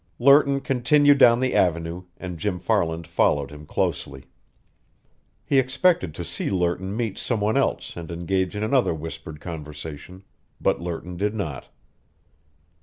Lerton continued down the Avenue, and Jim Farland followed him closely. He expected to see Lerton meet some one else and engage in another whispered conversation, but Lerton did not.